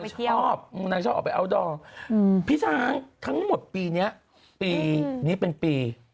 พี่สาหังทั้งหมดปีนี้ปีนี้เป็นปี